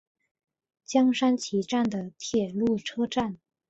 江川崎站的铁路车站。